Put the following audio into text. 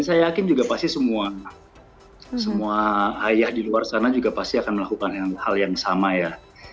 saya yakin juga pasti semua ayah di luar sana juga pasti akan melakukan hal yang sama ya